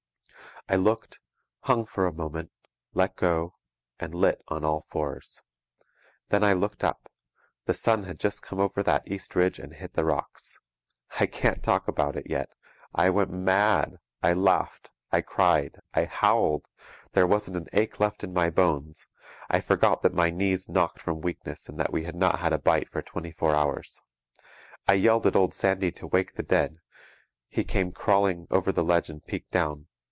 I looked, hung for a moment, let go, and "lit" on all fours. Then I looked up! The sun had just come over that east ridge and hit the rocks. I can't talk about it yet! I went mad! I laughed! I cried! I howled! There wasn't an ache left in my bones. I forgot that my knees knocked from weakness and that we had not had a bite for twenty four hours. I yelled at Old Sandy to wake the dead. He came crawling over the ledge and peeked down.